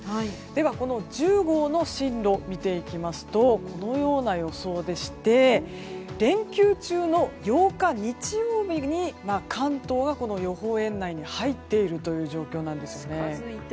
この１０号の進路を見ていきますとこのような予想でして連休中の８日、日曜日に関東は予報円内に入っているという状況なんですよね。